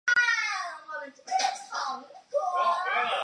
戈耳狄俄斯原本是农夫出身。